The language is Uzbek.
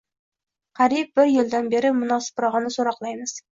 Qariyb bir jildan beri munosibrog‘ini so‘roqlaymiz